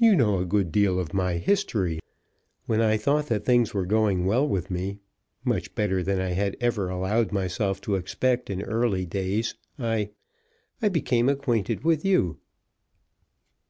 "You know a good deal of my history, Miss Newton. When I thought that things were going well with me, much better than I had ever allowed myself to expect in early days, I, I, became acquainted with you."